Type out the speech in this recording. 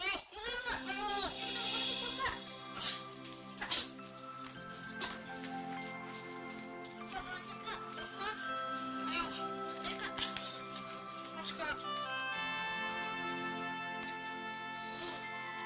apa ya cara sakit sakit segala sih